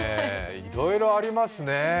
いろいろありますね。